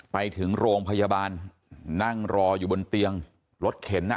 ไปถึงโรงพยาบาลนั่งรออยู่บนเตียงรถเข็น